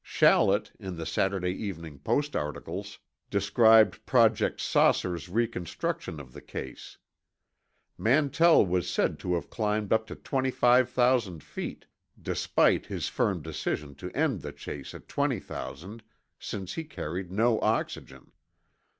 Shallet, in the Saturday Evening Post articles, described Project "Saucer's" reconstruction of the case. Mantell was said to have climbed up to 25,000 feet, despite his firm decision to end the chase at 20,000, since he carried no oxygen.